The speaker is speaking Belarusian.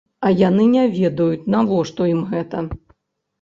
А яны не ведаюць, навошта ім гэта.